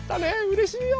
うれしいよ！